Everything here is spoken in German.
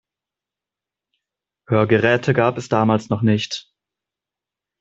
Hörgeräte gab es damals noch nicht.